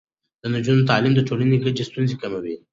د نجونو تعليم د ټولنې ګډې ستونزې کموي.